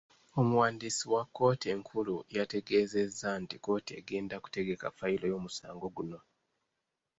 Omuwandiisi wa kkooti enkulu yategeezezza nti kkooti egenda kutegeka fayiro y'omusango guno .